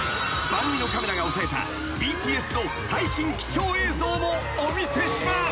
［番組のカメラが押さえたＢＴＳの最新貴重映像もお見せします］